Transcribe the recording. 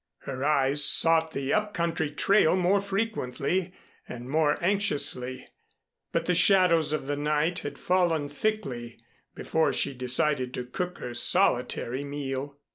Her eyes sought the up country trail more frequently and more anxiously, but the shadows of the night had fallen thickly before she decided to cook her solitary meal.